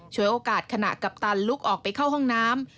โอกาสขณะกัปตันลุกออกไปเข้าห้องน้ำ